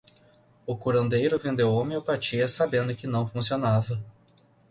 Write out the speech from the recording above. O curandeiro vendeu homeopatia sabendo que não funcionava